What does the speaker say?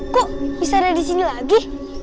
kok bisa ada disini lagi